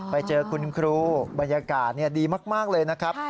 ไปเจอคุณครูบรรยากาศดีมากเลยนะครับ